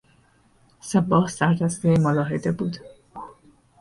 صباح سردستهی ملاحده بود.